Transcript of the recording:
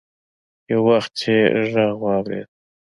يو وخت يې غږ واورېد.